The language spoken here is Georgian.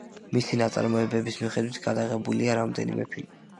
მისი ნაწარმოებების მიხედვით გადაღებულია რამდენიმე ფილმი.